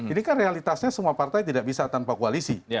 ini kan realitasnya semua partai tidak bisa tanpa koalisi